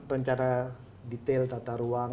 rencana detail tata ruang